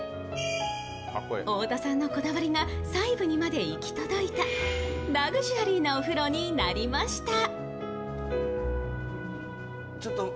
太田さんのこだわりが細部にまで行き届いたラグジュアリーなお風呂になりました。